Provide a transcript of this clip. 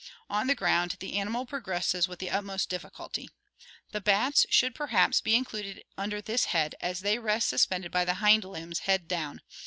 On the ground the animal progresses with the utmost difficulty. The bats should perhaps also be included under this head, as they rest suspended by the hind limbs, head down.